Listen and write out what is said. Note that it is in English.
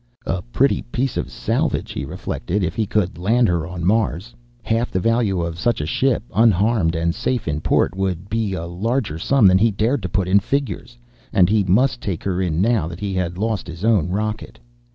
A pretty piece of salvage, he reflected, if he could land her on Mars. Half the value of such a ship, unharmed and safe in port, would be a larger sum than he dared put in figures. And he must take her in, now that he had lost his own rocket!